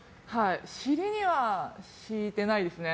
尻には敷いてないですね。